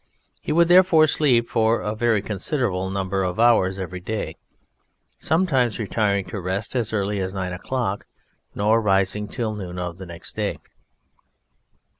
He would therefore sleep for a very considerable number of hours every day, sometimes retiring to rest as early as nine o'clock, nor rising till noon of the next day.